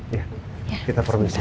iya kita permisi